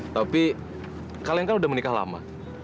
tapi kalian kan udah menikah lama